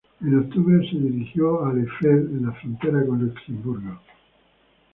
En octubre se dirigió al Eifel, en la frontera con Luxemburgo.